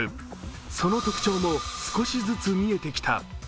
その特徴も少しずつ見えてきた。